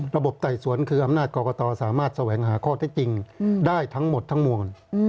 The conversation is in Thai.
ระบบไต่สวนคืออำนาจกรกตสามารถสวัยงาค่าได้จริงได้ทั้งหมดทั้งมวล